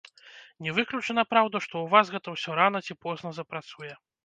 Не выключана, праўда, што ў вас гэта усё рана ці позна запрацуе.